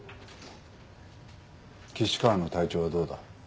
岸川の体調はどうだ？